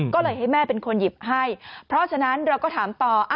ก็เลยให้แม่เป็นคนหยิบให้เพราะฉะนั้นเราก็ถามต่อ